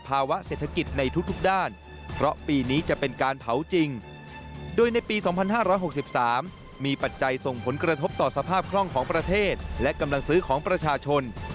ภาวะเศรษฐกิจในทุกด้าน